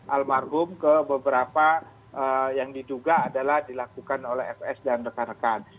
almarhum ke beberapa yang diduga adalah dilakukan oleh fs dan rekan rekan